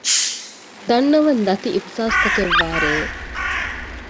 ދަންނަވަން ދަތި އިހުސާސްތަކެއް ވާ ރެއެއް